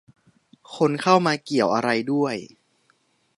คนเข้ามาเกี่ยวอะไรด้วย